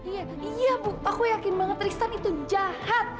iya bu aku yakin banget tristan itu jahat